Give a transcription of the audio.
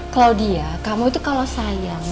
claudia kamu tuh kalau sayang